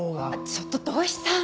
ちょっと土居さん！